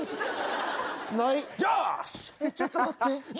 ちょっと待って。